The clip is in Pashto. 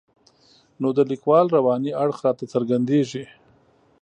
نو د لیکوال رواني اړخ راته څرګندېږي.